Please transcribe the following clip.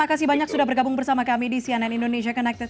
terima kasih banyak sudah bergabung bersama kami di cnn indonesia connected